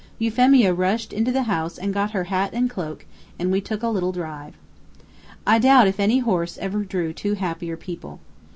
Euphemia rushed into the house and got her hat and cloak, and we took a little drive. I doubt if any horse ever drew two happier people.